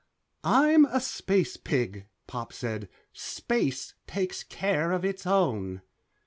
"I'm a space pig," Pop said. "Space takes care of its own."